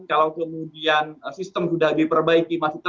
kalau kemudian sistem sudah diperbaiki masih tetap